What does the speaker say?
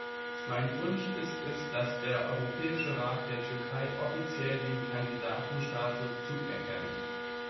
Mein Wunsch ist es, dass der Europäische Rat der Türkei offiziell den Kandidatenstatus zuerkennt.